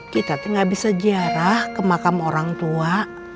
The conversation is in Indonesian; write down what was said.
kita ngabis sejarah ke makam orang tua